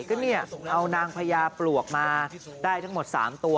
ก็เนี่ยเอานางพญาปลวกมาได้ทั้งหมด๓ตัว